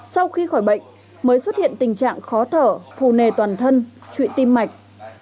sau khi khỏi bệnh mới xuất hiện tình trạng khó thở phù nề toàn thân trụi tim mạch